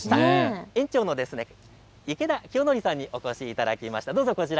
園長の池田清則さんにお越しいただきました。